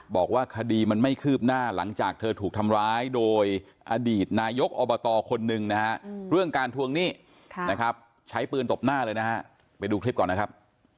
บอกว่าคดีมันไม่คืบหน้าหลังจากเธอถูกทำร้ายโดยอดีตนายกอบตคนหนึ่งนะฮะเรื่องการทวงหนี้นะครับใช้ปืนตบหน้าเลยนะฮะไปดูคลิปก่อนนะครับ